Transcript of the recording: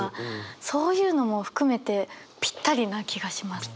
そういうのも含めてぴったりな気がします。